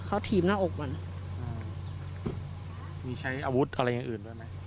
เขาถีบหน้าอกมันอ่ามีใช้อาวุธอะไรอย่างอื่นด้วยไหม